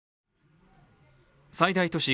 最大都市